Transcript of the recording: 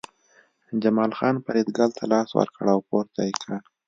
جمال خان فریدګل ته لاس ورکړ او پورته یې کړ